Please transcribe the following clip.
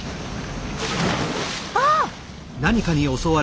あっ！